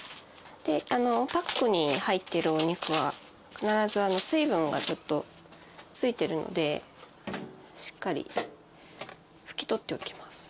パックに入ってるお肉は必ず水分がちょっと付いてるのでしっかり拭き取っておきます。